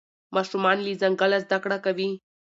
ماشومان له ځنګله زده کړه کوي.